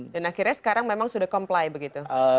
dan akhirnya sekarang memang sudah comply begitu